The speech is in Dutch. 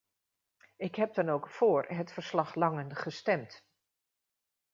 Ik heb dan ook voor het verslag-Langen gestemd.